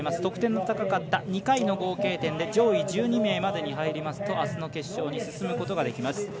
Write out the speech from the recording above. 得点の高かった２回の合計点で上位１２名までに入りますとあすの決勝に進むことができます。